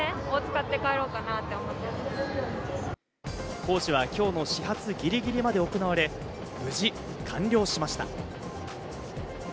工事は今日の始発ぎりぎりまで行われ、無事完了しました。